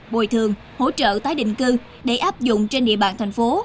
bồi thường hỗ trợ tái định cư để áp dụng trên địa bàn thành phố